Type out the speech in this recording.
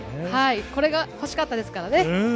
これが欲しかったですからね。